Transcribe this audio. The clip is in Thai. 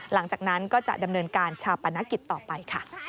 หลังจากนั้นก็จะดำเนินการชาปนกิจต่อไปค่ะ